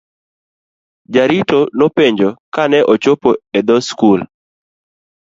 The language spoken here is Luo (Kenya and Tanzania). Jarito nopenje kane ochopo e dhoo skul.